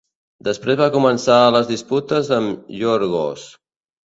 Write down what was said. Després va començar les disputes amb Yorghos.